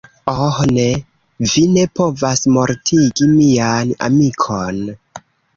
Oh ne! Vi ne povas mortigi mian amikon!